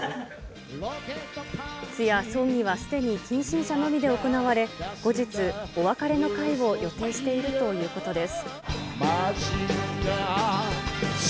通夜・葬儀はすでに近親者のみで行われ、後日、お別れの会を予定しているということです。